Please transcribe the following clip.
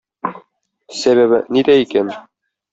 Сәбәбе нидә икән?